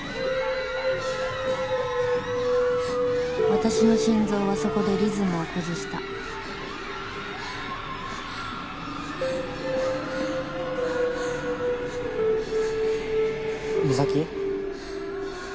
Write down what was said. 私の心臓はそこでリズムを崩したハァハァ美咲